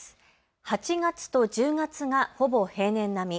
８月と１０月がほぼ平年並み。